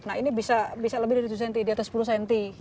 nah ini bisa lebih dari tujuh cm di atas sepuluh cm